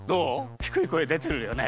ひくい声でてるよね？